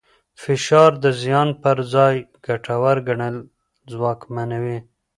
فشار د زیان پر ځای ګټور ګڼل ځواکمنوي.